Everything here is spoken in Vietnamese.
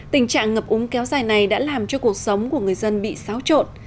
tình trạng ngập úng kéo dài này đã làm cho cuộc sống của người dân bị xáo trộn